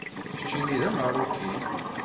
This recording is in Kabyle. Keččini d Ameṛṛuki.